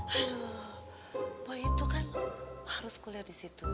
aduh itu kan harus kuliah di situ